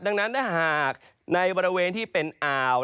ดังนั้นถ้าหากในบริเวณที่เป็นอ่าว